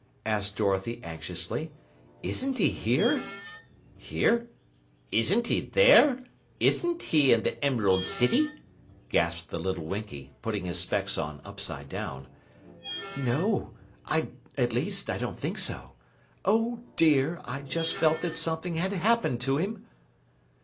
asked Dorothy anxiously. "Isn't he here?" "Here! Isn't he there? Isn't he in the Emerald City?" gasped the little Winkie, putting his specs on upside down. "No at least, I don't think so. Oh, dear, I just felt that something had happened to him!"